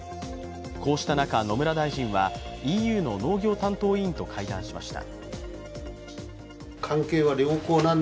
こうした中、野村大臣はＥＵの農業担当委員と会談しました。